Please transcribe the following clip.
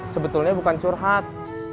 sebetulnya bukan curhat